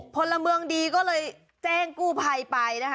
พลเมืองดีก็เลยแจ้งกู้ไพไป